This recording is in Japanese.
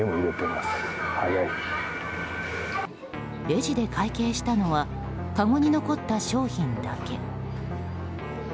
レジで会計したのはかごに残った商品だけ。